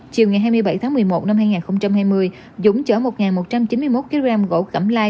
chiều ngày hai mươi bảy tháng một mươi một năm hai nghìn hai mươi dũng chở một một trăm chín mươi một kg gỗ cẩm lai